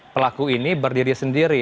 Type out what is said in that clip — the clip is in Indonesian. pelaku ini berdiri sendiri